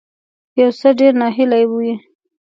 یو څه ډیر ناهیلی وي